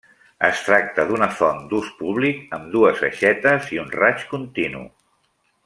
Es tracta d'una font d'ús públic amb dues aixetes i un raig continu.